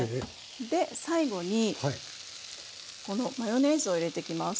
で最後にこのマヨネーズを入れてきます。